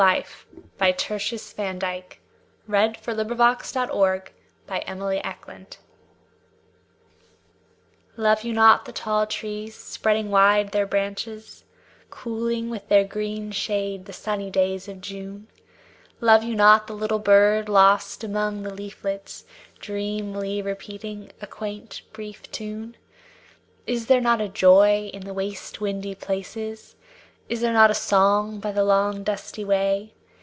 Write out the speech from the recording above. E F . G H . I J . K L . M N . O P . Q R . S T . U V . W X . Y Z Love of Life LOVE you not the tall trees spreading wide their branches, Cooling with their green shade the sunny days of June? Love you not the little bird lost among the leaflets, Dreamily repeating a quaint, brief tune? Is there not a joy in the waste windy places; Is there not a song by the long dusty way?